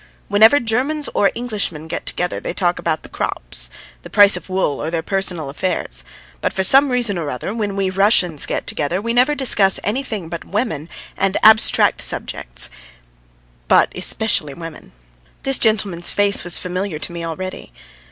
Whenever Germans or Englishmen get together, they talk about the crops, the price of wool, or their personal affairs. But for some reason or other when we Russians get together we never discuss anything but women and abstract subjects but especially women." This gentleman's face was familiar to me already.